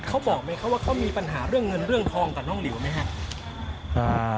เขาบอกไหมคะว่าเขามีปัญหาเรื่องเงินเรื่องทองกับน้องหลิวไหมครับ